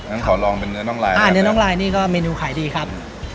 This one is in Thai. งั้นขอลองเป็นเนื้อน้องลายอ่าเนื้อน้องลายนี่ก็เมนูขายดีครับ